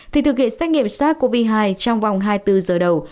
thì thực hiện xét nghiệm sars cov hai trong vòng hai mươi bốn giờ đầu